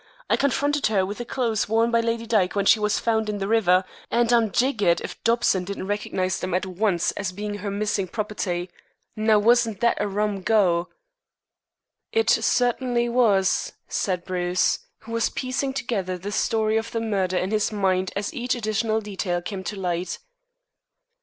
I confronted her with the clothes worn by Lady Dyke when she was found in the river, and I'm jiggered if Dobson didn't recognize them at once as being her missing property. Now, wasn't that a rum go?" "It certainly was," said Bruce, who was piecing together the story of the murder in his mind as each additional detail came to light.